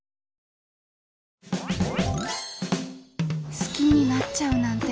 好きになっちゃうなんて。